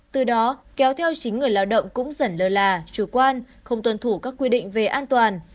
từ đó kéo theo chính người lao động cũng dần lờ là chủ quan không tuân thủ các quy định về an toàn